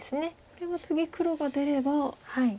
これは次黒が出れば白３目を。